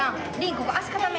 ここ足固め。